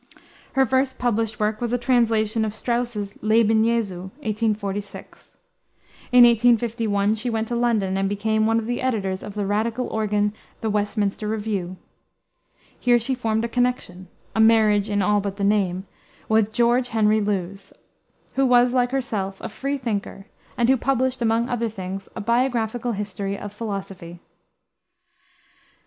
Her first published work was a translation of Strauss's Leben Jesu, 1846. In 1851 she went to London and became one of the editors of the Radical organ, the Westminster Review. Here she formed a connection a marriage in all but the name with George Henry Lewes, who was, like herself, a freethinker, and who published, among other things, a Biographical History of Philosophy.